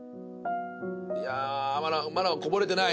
いやあまだまだこぼれてない。